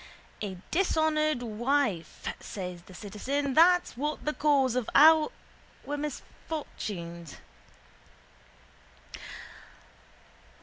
—A dishonoured wife, says the citizen, that's what's the cause of all our misfortunes.